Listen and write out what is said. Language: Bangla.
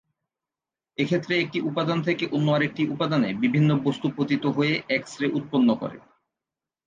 এক্ষেত্রে একটি উপাদান থেকে অন্য আরেকটি উপাদানে বিভিন্ন বস্তু পতিত হয়ে এক্স-রে উৎপন্ন করে।